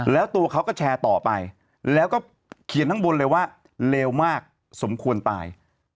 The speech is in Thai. แล้วตัวเขาก็แชร์ต่อไปแล้วก็เขียนข้างบนเลยว่าเลวมากสมควรตาย